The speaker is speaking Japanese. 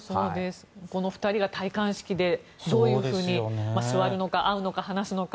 この２人が戴冠式でどういうふうに座るのか会うのか、話すのか。